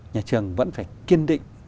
nhà trường vẫn phải kiên định